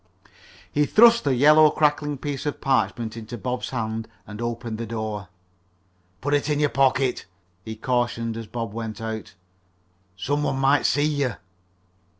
He thrust the yellow, crackling piece of parchment into Bob's hands and opened the door. "Put it in your pocket," he cautioned as Bob went out. "Some one might see you."